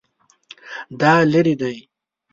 دا لیرې دی؟